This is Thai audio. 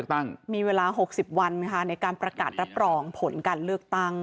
ประมาณ๖๐วันในการประกาศรับรองผลการเลือกตั้ง